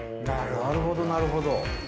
なるほどなるほど。